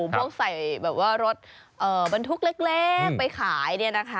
พวกใส่แบบว่ารถบรรทุกเล็กไปขายเนี่ยนะคะ